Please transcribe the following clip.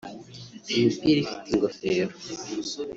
imipira ifite ingofero